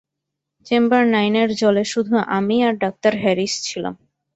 Chamber নাইনের জলে শুধু আমি আর ডাঃ হ্যারিস ছিলাম।